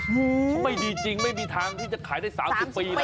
เขาไม่ดีจริงไม่มีทางที่จะขายได้๓๐ปีนะ